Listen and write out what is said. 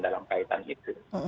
dalam kaitan itu